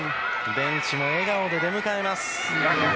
ベンチも笑顔で出迎えます。